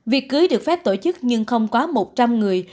việc cưới được phép tổ chức nhưng không quá một trăm linh người